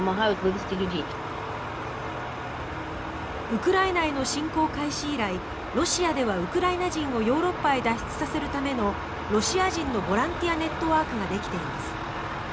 ウクライナへの侵攻開始以来ロシアではウクライナ人をヨーロッパへ脱出させるためのロシア人のボランティアネットワークができています。